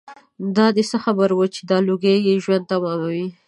دای څه خبر و چې دا لوګي یې ژوند تماموي.